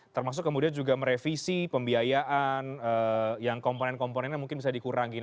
termasuk kemudian juga merevisi pembiayaan yang komponen komponennya mungkin bisa dikurangin